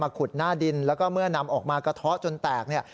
ขุดหน้าดินแล้วก็เมื่อนำออกมากระเทาะจนแตกเนี่ย